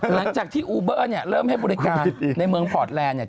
หลังจากที่อูเบอร์เริ่มให้บริการในเมืองพอร์ตแลนด์